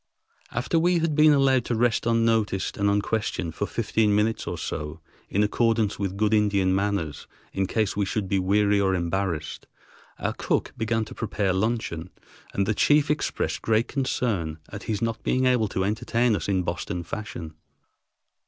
After we had been allowed to rest unnoticed and unquestioned for fifteen minutes or so, in accordance with good Indian manners in case we should be weary or embarrassed, our cook began to prepare luncheon; and the chief expressed great concern at his not being able to entertain us in Boston fashion.